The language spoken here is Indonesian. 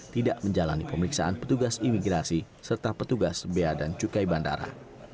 tidak menjalani pemeriksaan petugas imigrasi serta petugas bea dan cukai bandara